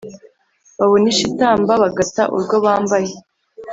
Babona isha itamba bagata urwo bambaye.